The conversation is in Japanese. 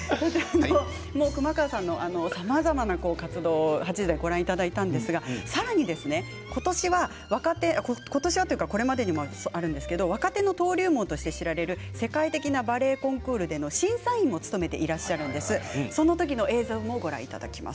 さまざまな活動を８時台にご覧いただいたんですがさらに今年はというかこれまでもあるんですけれども若手の登竜門として知られる世界的なバレエコンクールでの審査員を務めていらっしゃるんです。